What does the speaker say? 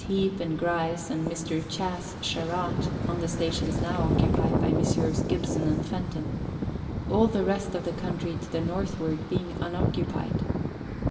Heape and Grice and Mr. Chas. Sherratt on the stations now occupied by Messrs. Gibson and Fenton all the rest of the country to the northward being unoccupied.